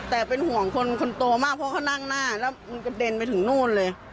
แต่เป็นห่วงคนคนโตมากเพราะเขานั่งหน้าแล้วมันกระเด็นไปถึงนู่นเลย